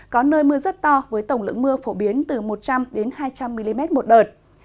có nơi mưa rất to với tổng lượng mưa phổ biến từ một trăm linh hai trăm linh mm một đợt